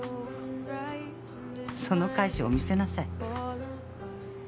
そのかい性見せなさい。